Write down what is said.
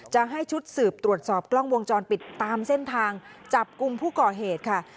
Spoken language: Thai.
จะให้ชุดสืบตรวจสอบกล้องวงจรปิดตามเส้นทางจับกลุ่มผู้ก่อเหตุค่ะ